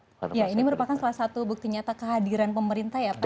ya ini merupakan salah satu bukti nyata kehadiran pemerintah ya pak